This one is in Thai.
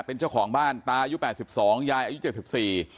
เป็นเจ้าของบ้านตายุแปดสิบสองยายอายุเจ็ดสิบสี่